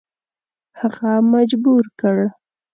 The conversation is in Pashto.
هغه مجبور کړ.